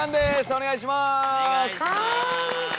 お願いします。